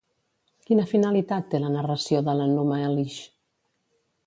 Quina finalitat té la narració de l'Enuma Elix?